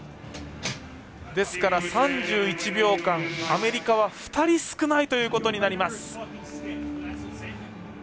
ですから、３１秒間アメリカは２人少ないということになります。